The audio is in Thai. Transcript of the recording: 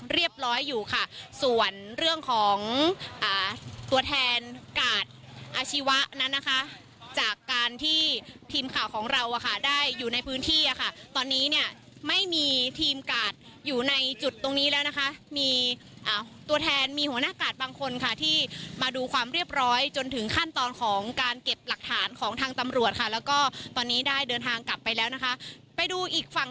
อยู่ค่ะส่วนเรื่องของตัวแทนกาดอาชีวะนั้นนะคะจากการที่ทีมข่าวของเราอะค่ะได้อยู่ในพื้นที่อ่ะค่ะตอนนี้เนี่ยไม่มีทีมกาดอยู่ในจุดตรงนี้แล้วนะคะมีตัวแทนมีหัวหน้ากาดบางคนค่ะที่มาดูความเรียบร้อยจนถึงขั้นตอนของการเก็บหลักฐานของทางตำรวจค่ะแล้วก็ตอนนี้ได้เดินทางกลับไปแล้วนะคะไปดูอีกฝั่ง